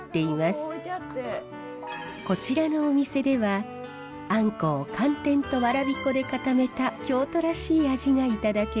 こちらのお店ではあんこを寒天とわらび粉で固めた京都らしい味がいただけます。